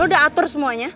lo udah atur semuanya